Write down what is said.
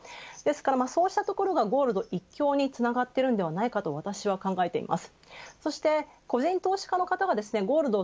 そうしたところがゴールド一強につながっているんではないかと私は考えています。